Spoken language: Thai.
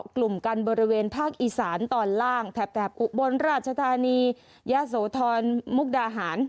กลุ่มกันบริเวณภาคอีสานตอนล่างแถบอุบลราชธานียะโสธรมุกดาหาร